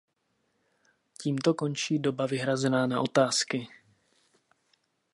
Tímto končí doba vyhrazená na otázky.